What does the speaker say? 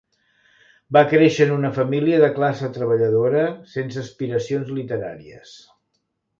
Va créixer en una família de classe treballadora sense aspiracions literàries.